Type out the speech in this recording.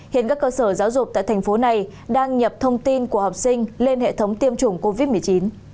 hiện các cơ sở giáo dục tại thành phố này đang nhập thông tin của học sinh lên hệ thống tiêm chủng covid một mươi chín